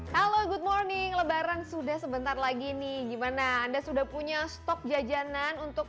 halo good morning lebaran sudah sebentar lagi nih gimana anda sudah punya stok jajanan untuk